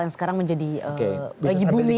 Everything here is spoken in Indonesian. yang sekarang menjadi lagi booming